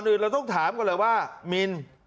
อื่นเราต้องถามก่อนเลยว่ามิน